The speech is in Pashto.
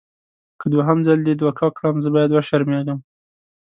که دوهم ځل دې دوکه کړم زه باید وشرمېږم.